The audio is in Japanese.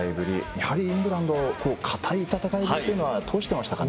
やはりイングランド堅い戦いというのを通してましたかね。